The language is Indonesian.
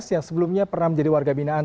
yang sebelumnya pernah menjadi warga binaan